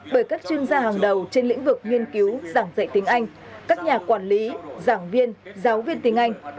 bởi các chuyên gia hàng đầu trên lĩnh vực nghiên cứu giảng dạy tiếng anh các nhà quản lý giảng viên giáo viên tiếng anh